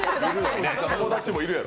友達もいるやろ。